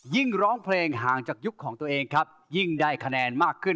ร้องเพลงห่างจากยุคของตัวเองครับยิ่งได้คะแนนมากขึ้น